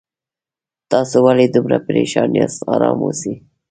تاسو ولې دومره پریشان یاست آرام اوسئ